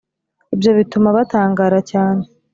Ibyo bituma batangara cyane